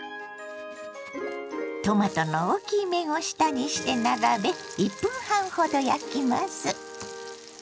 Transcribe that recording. トマトの大きい面を下にして並べ１分半ほど焼きます。